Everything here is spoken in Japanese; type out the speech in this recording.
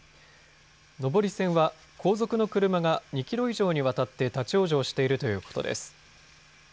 上り線は後続の車が２キロ以上にわたって立往生しているということです。